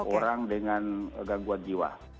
orang dengan gangguan jiwa